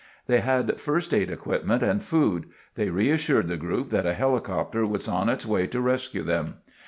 They had first aid equipment and food. They reassured the group that a helicopter was on its way to rescue them.